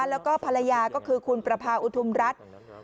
แล้วก็ภรรยาก็คือคุณประพาอุทุมรัฐ